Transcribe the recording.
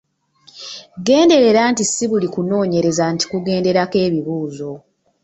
Genderera nti ssi buli kunoonyereza nti kugenderako ebibuuzo.